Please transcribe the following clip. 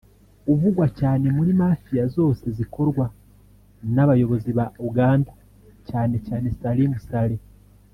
uvugwa cyane muri Mafia zose zikorwa n’abayobozi ba Uganda cyane cyane Salim Saleh